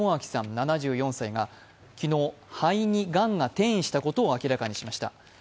７４歳が昨日、肺にがんが転移したことが明らかになりました。